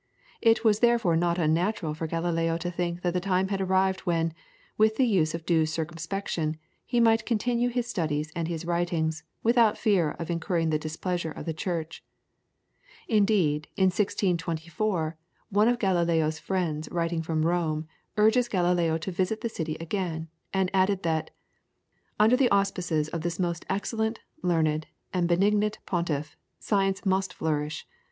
It was therefore not unnatural for Galileo to think that the time had arrived when, with the use of due circumspection, he might continue his studies and his writings, without fear of incurring the displeasure of the Church. Indeed, in 1624, one of Galileo's friends writing from Rome, urges Galileo to visit the city again, and added that "Under the auspices of this most excellent, learned, and benignant Pontiff, science must flourish.